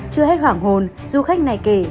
chưa hết hoảng hồn du khách này kể